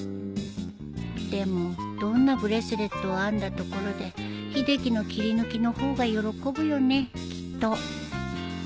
でもどんなブレスレットを編んだところで秀樹の切り抜きのほうが喜ぶよねきっと